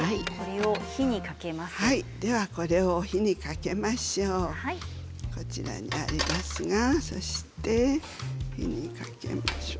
これを火にかけましょう。